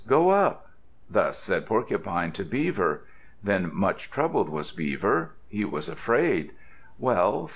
Go up!" Thus said Porcupine to Beaver. Then much troubled was Beaver. He was afraid. "Well!